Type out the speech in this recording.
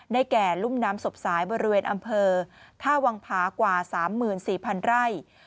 แก่รุ่มน้ำศพสายบริเวณอำเภอท่าวังผากว่า๓๔๐๐๐ไร่